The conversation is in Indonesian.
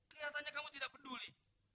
kelihatannya kamu tidak peduli